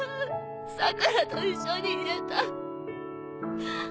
桜良と一緒にいれた。